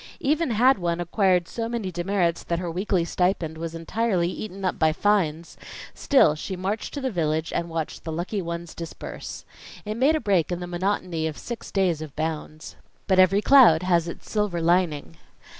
Even had one acquired so many demerits that her weekly stipend was entirely eaten up by fines, still she marched to the village and watched the lucky ones disburse. It made a break in the monotony of six days of bounds. But every cloud has its silver lining.